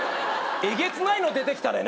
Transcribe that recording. えげつないの出てきたね。